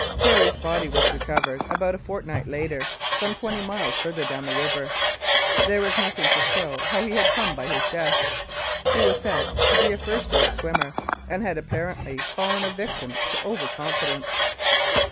Perry's body was recovered, about a fortnight later, some twenty miles farther down the river. There was nothing to show how he had come by his death. He was said to be a first rate swimmer, and had apparently fallen a victim to over confidence.